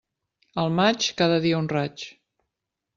Al maig, cada dia un raig.